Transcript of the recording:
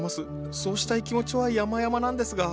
そうしたい気持ちはやまやまなんですが。